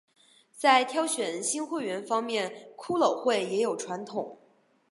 在挑选新会员方面骷髅会也有传统。